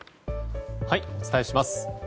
はい、お伝えします。